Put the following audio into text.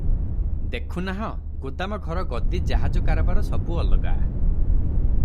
ଦେଖୁନାହଁ, ଗୋଦାମ ଘର-ଗଦି-ଜାହାଜ-କାରବାର ସବୁ ଅଲଗା ।